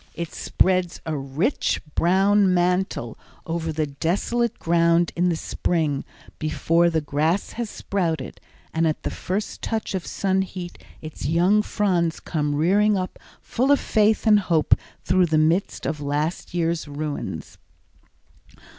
It spreads a rich brown mantle over the desolate ground in the spring before the grass has sprouted, and at the first touch of sun heat its young fronds come rearing up full of faith and hope through the midst of the last year's ruins.